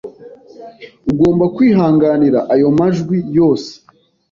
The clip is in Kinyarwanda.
Ugomba kwihanganira ayo majwi yose.